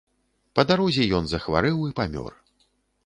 Па дарозе ён захварэў і памёр.